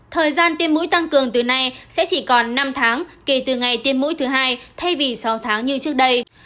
thời gian tiêm mũi tăng cường từ nay sẽ chỉ còn năm tháng kể từ ngày tiêm mũi thứ hai thay vì sáu tháng như trước đây